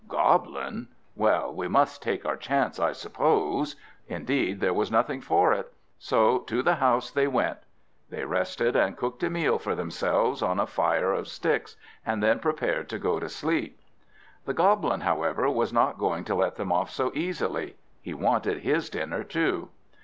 "Goblin! well, we must take our chance, I suppose." Indeed, there was nothing for it; so to the house they went. They rested, and cooked a meal for themselves on a fire of sticks, and then prepared to go to sleep. The Goblin, however, was not going to let them off so easily; he wanted his dinner too.